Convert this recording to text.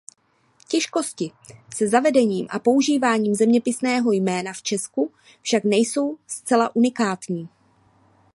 Těžkosti se zavedením a používáním zeměpisného jména v Česku však nejsou zcela unikátní.